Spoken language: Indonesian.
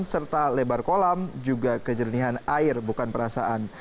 serta lebar kolam juga kejernihan air bukan perasaan